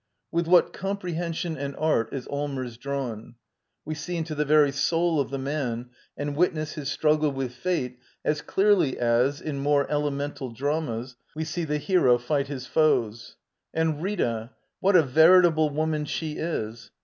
With what comprehension and art is Allmers drawn I We see into the very soul of the man and witness his struggle with fate as clearly as, in more ele mental dramas, we see the hero fight his foes. And Rita — what a veritable woman she is!